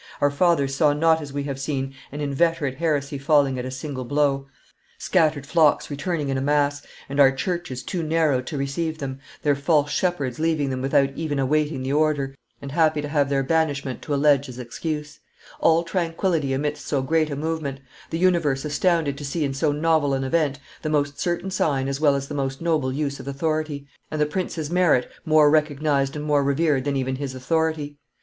Our fathers saw not as we have seen an inveterate heresy falling at a single blow, scattered flocks returning in a mass, and our churches too narrow to receive them, their false shepherds leaving them without even awaiting the order, and happy to have their banishment to allege as excuse; all tranquillity amidst so great a movement; the universe astounded to see in so novel an event the most certain sign as well as the most noble use of authority, and the prince's merit more recognized and more revered than even his authority.